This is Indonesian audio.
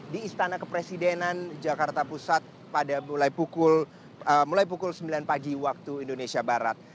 di istana kepresidenan jakarta pusat pada pukul sembilan pagi waktu indonesia barat